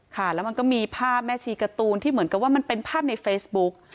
ค่ะแล้วมันก็มีภาพแม่ชีการ์ตูนที่เหมือนกับว่ามันเป็นภาพในเฟซบุ๊ก